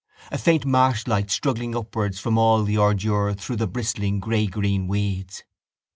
A faint marshlight struggling upwards from all the ordure through the bristling greygreen weeds.